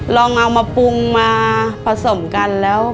ลองเอามาปรุงมาผสมกันแล้ว